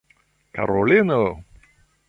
Karolino!